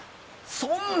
そんな！